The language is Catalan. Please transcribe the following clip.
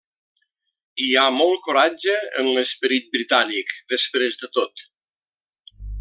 Hi ha molt coratge en l'esperit britànic després de tot.